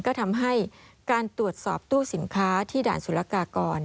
ก็ทำให้การตรวจสอบตู้สินค้าที่ด่านสุรกากร